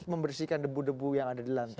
membersihkan debu debu yang ada di lantai